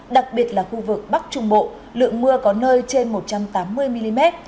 đặc biệt là khu vực bắc trung bộ lượng mưa có nơi trên một trăm tám mươi mm